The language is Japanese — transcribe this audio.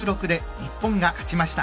日本、勝ちました！